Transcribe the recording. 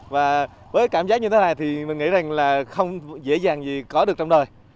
và với cảm giác như thế này thì mình nghĩ rằng là không dễ dàng gì có được trong đời